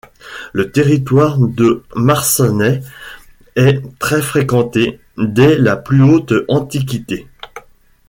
Le territoire de Marsannay est très fréquenté dès la plus haute Antiquité.